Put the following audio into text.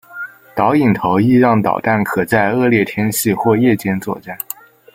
导引头亦让导弹可在恶劣天气或夜间作战。